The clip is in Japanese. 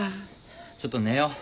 ちょっと寝よう。